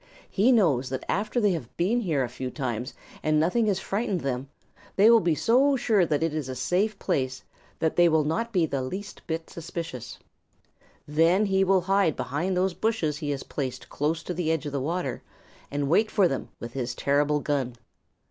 He knows that after they have been here a few times and nothing has frightened them, they will be so sure that it is a safe place that they will not be the least bit suspicious. Then he will hide behind those bushes he has placed close to the edge of the water and wait for them with his terrible gun.